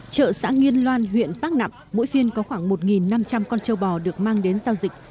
chợ xã nghiên loan huyện bắc nẵm mỗi phiên có khoảng một năm trăm linh con châu bò được mang đến giao dịch